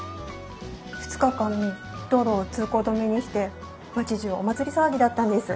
２日間道路を通行止めにして町じゅうお祭り騒ぎだったんです。